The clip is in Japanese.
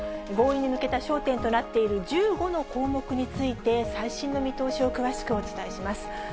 合意に向けた焦点となっている、１５の項目について、最新の見通しを詳しくお伝えします。